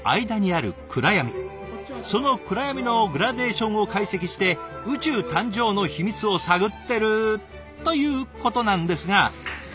その暗闇のグラデーションを解析して宇宙誕生の秘密を探ってるということなんですが皆さん分かります？